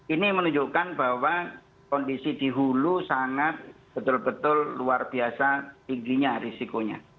ini menunjukkan bahwa kondisi di hulu sangat betul betul luar biasa tingginya risikonya